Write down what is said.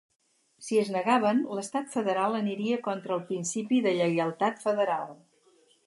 Si es negaven, l'estat federal aniria contra el principi de lleialtat federal.